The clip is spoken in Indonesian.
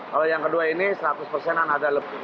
kalau yang kedua ini seratus persenan ada lebih